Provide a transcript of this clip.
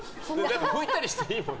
拭いたりしていいもの？